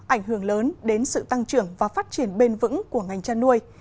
ảnh hưởng lớn đến sự tăng trưởng và phát triển bền vững của ngành chăn nuôi